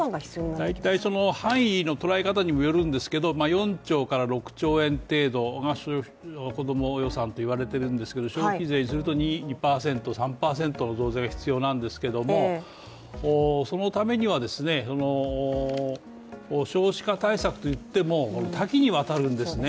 大体、範囲の捉え方にもよるんですが４丁から６兆円程度子ども予算と言われてるんですけど、消費税にすると、２％、３％増税が必要なんですけども、そのためには、少子化対策といっても多岐にわたるんですね。